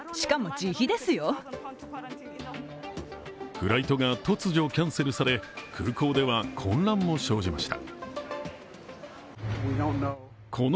フライトが突如キャンセルされ空港では混乱も生じました。